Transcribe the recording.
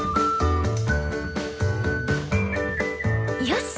よし。